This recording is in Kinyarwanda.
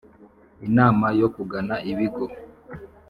inama yo kugana ibigo